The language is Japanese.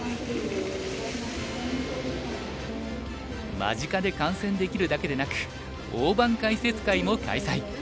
間近で観戦できるだけでなく大盤解説会も開催。